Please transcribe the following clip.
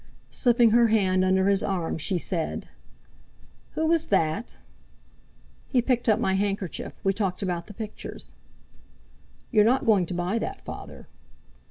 Slipping her hand under his arm, she said: "Who was that?" "He picked up my handkerchief. We talked about the pictures." "You're not going to buy that, Father?"